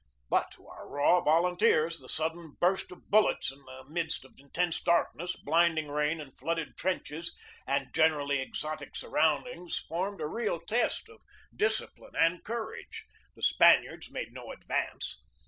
But to our raw volunteers the sudden burst of bullets in the midst of intense darkness, blinding rain, and flooded trenches and generally exotic surroundings formed a real test of discipline and courage. The Spaniards made no advance.